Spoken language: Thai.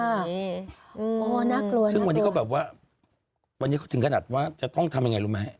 โอ้โหน่ากลัวซึ่งวันนี้ก็แบบว่าวันนี้เขาถึงขนาดว่าจะต้องทำยังไงรู้ไหม